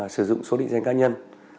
sử dụng số định danh cá nhân